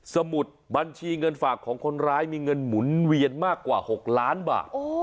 สมุดบัญชีเงินฝากของคนร้ายมีเงินหมุนเวียนมากกว่า๖ล้านบาท